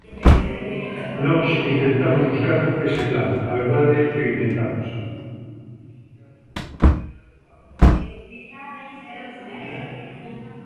Nós intentamos buscar ese plan, a verdade que o intentamos.